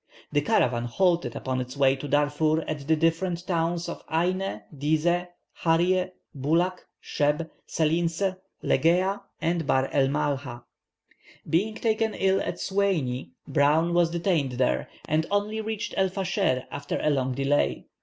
The caravan halted upon its way to Darfur at the different towns of Ainé, Dizeh, Charyeh, Bulak, Scheb, Selinceh, Leghéa, and Ber el Malha. Being taken ill at Soueini, Browne was detained there, and only reached El Fascher after a long delay.